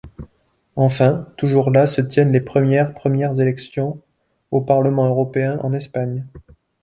Enfin, toujours le se tiennent les premières premières élections au Parlement européen en Espagne.